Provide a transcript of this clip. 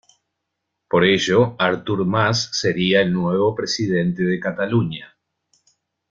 Por ello, Artur Mas sería el nuevo presidente de Cataluña.